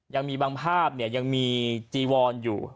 ยังมีบางภาพเนี่ยยังมีจีวอนอยู่